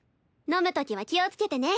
飲むときは気をつけてね。